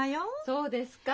そうですか？